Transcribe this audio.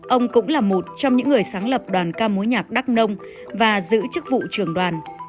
ông cũng là một trong những người sáng lập đoàn ca mối nhạc đắk nông và giữ chức vụ trưởng đoàn